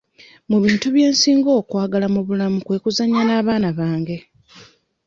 Mu bintu bye nsinga okwagala mu bulamu kwe kuzannya n'abaana bange.